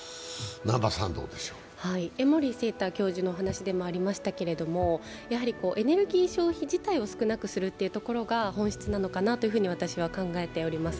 江守正多教授のお話でもありましたけれども、やはりエネルギー消費自体を少なくすることが本質なのかなと私は考えております。